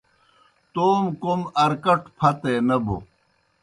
توموْ کوْم ارکٹوْ پھتے نہ بو۔